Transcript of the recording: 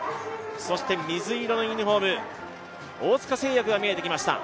そして水色のユニフォーム大塚製薬が見えてきました。